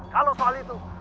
kalau soal itu